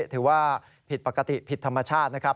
ถือว่าผิดปกติผิดธรรมชาตินะครับ